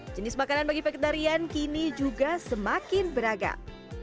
jenis makanan bagi vegetarian kini juga semakin beragam